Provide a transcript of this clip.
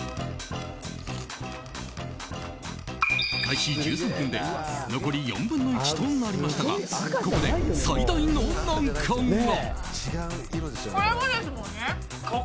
開始１３分で残り４分の１となりましたがここで最大の難関が。